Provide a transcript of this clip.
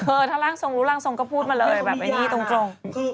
เออถ้าร่างทรงก็พูดมาเลยแบบตรง